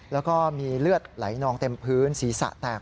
แล้วก็มีเลือดไหลนองเต็มพื้นศีรษะแตก